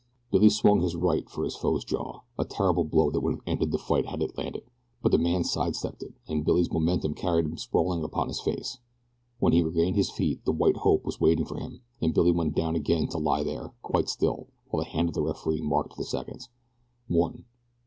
Billy swung his right for his foe's jaw a terrible blow that would have ended the fight had it landed but the man side stepped it, and Billy's momentum carried him sprawling upon his face. When he regained his feet the "white hope" was waiting for him, and Billy went down again to lie there, quite still, while the hand of the referee marked the seconds: One.